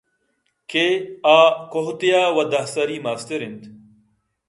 کہ آ کُتّ ئے ءَ وَ دہ سری مستر اِنت